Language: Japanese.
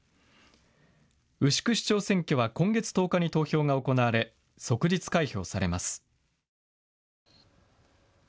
牛久市長選挙は今月１０日に投票が行われ即日開票されます。